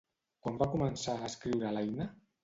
Quan va començar a escriure l'Aina?